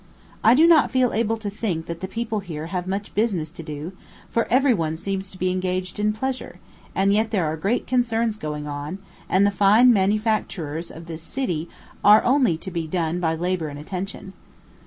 I do not feel able to think that the people here have much business to do, for every one seems to be engaged in pleasure; and yet there are great concerns going on, and the fine manufactures of this city are only to be done by labor and attention.